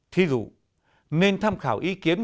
thí dụ nên tham khảo ý kiến